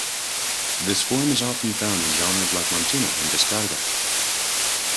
This form is often found in genres like montuno and descarga.